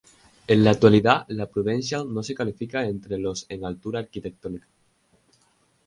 En la actualidad, la Prudential no se clasifica entre los en altura arquitectónica.